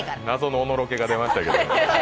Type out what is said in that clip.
謎のおのろけが出ましたけど。